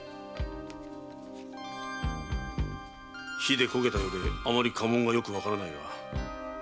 火で焦げたようであまり家紋がよくわからないが。